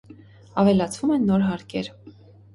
Ավելացվում են նոր հարկեր։